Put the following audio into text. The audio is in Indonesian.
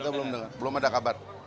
belum ada kabar